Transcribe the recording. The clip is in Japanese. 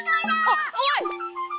おっおい！